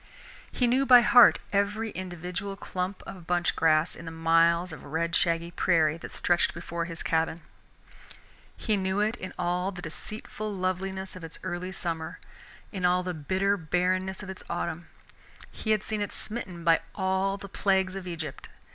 He knew by heart every individual clump of bunch grass in the miles of red shaggy prairie that stretched before his cabin. He knew it in all the deceitful loveliness of its early summer, in all the bitter barrenness of its autumn. He had seen it smitten by all the plagues of Egypt.